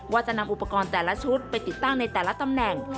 ว่าจะนำอุปกรณ์แต่ละชุดไปติดตั้งในแต่ละตำแหน่ง